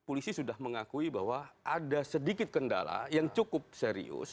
polisi sudah mengakui bahwa ada sedikit kendala yang cukup serius